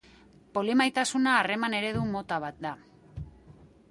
Polimaitasuna harreman-eredu mota bat da.